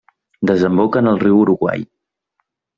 Desemboca en el riu Uruguai.